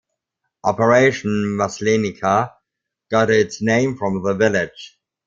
Operation Maslenica got its name from the village.